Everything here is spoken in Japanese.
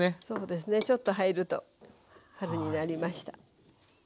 そうですねちょっと入ると春になりました。